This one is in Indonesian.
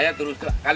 ya aku tunjukkan